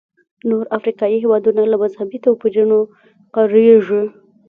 نور افریقایي هېوادونه له مذهبي توپیرونو کړېږي.